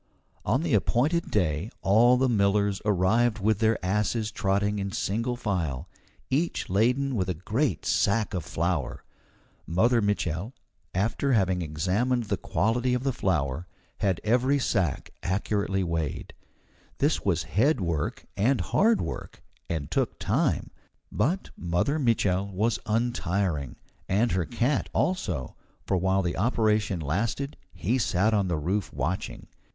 On the appointed day all the millers arrived with their asses trotting in single file, each laden with a great sack of flour. Mother Mitchel, after having examined the quality of the flour, had every sack accurately weighed. This was head work and hard work, and took time; but Mother Mitchel was untiring, and her cat, also, for while the operation lasted he sat on the roof watching.